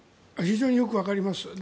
非常によくわかります。